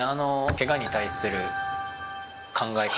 ケガに対する考え方。